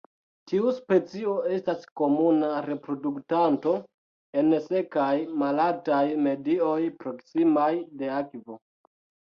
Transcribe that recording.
Tiu specio estas komuna reproduktanto en sekaj malaltaj medioj proksimaj de akvo.